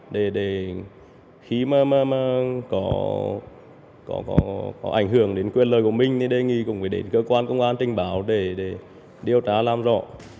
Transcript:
để khi mà có ảnh hưởng đến quyền lời của mình thì đề nghị cũng phải đến cơ quan công an trình báo để điều tra làm rõ